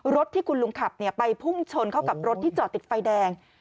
รถที่คุณลุงขับไปพุ่งชนเข้ากับรถที่จอดติดไฟแดง